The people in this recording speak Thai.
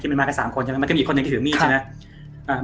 ที่มันมากับสามคนใช่ไหมมันก็มีอีกคนที่ถือมีใช่ไหมครับ